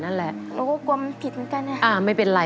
หนูก็กลัวมันผิดเหมือนกัน